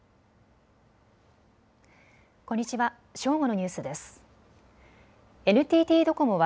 こんにちは。